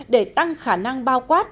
để tăng khả năng bao quát